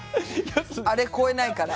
あれ超えないから。